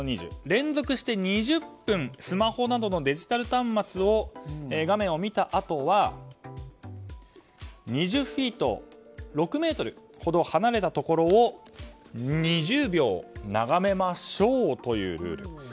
連続して２０分スマホなどのデジタル端末の画面を見たあとは２０フィート、６ｍほど離れたところを２０秒眺めましょうというルール。